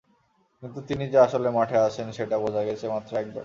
কিন্তু তিনি যে আসলে মাঠে আছেন, সেটা বোঝা গেছে মাত্র একবারই।